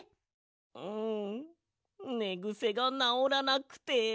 うんねぐせがなおらなくて。